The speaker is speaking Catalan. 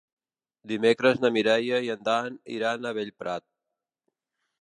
Dimecres na Mireia i en Dan iran a Bellprat.